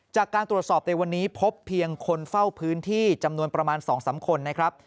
จากการตรวจสอบในวันนี้พบเพียงคนเฝ้าพื้นที่จำนวนประมาณ๒๓คนนะครับ